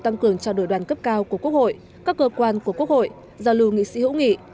tăng cường trao đổi đoàn cấp cao của quốc hội các cơ quan của quốc hội giao lưu nghị sĩ hữu nghị